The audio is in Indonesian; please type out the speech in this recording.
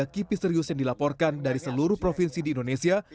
tiga ratus enam puluh tiga kipi serius yang dilaporkan dari seluruh provinsi di indonesia